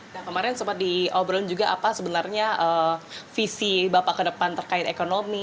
nah kemarin sempat diobrol juga apa sebenarnya visi bapak ke depan terkait ekonomi